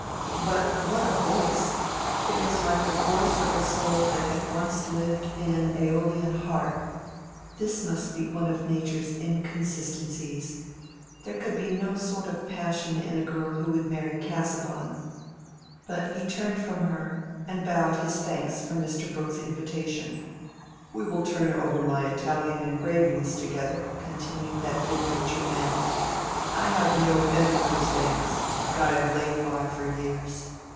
But what a voice! It was like the voice of a soul that had once lived in an Aeolian harp. This must be one of Nature's inconsistencies. There could be no sort of passion in a girl who would marry Casaubon. But he turned from her, and bowed his thanks for Mr. Brooke's invitation. "We will turn over my Italian engravings together," continued that good natured man. "I have no end of those things, that I have laid by for years.